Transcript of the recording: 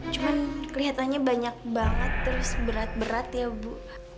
cuman kelihatannya banyak banget terus berat berat ya bu